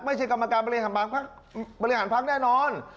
ไม่ใช่กรรมการบริหารภักดิ์แน่นอน